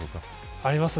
ありますね。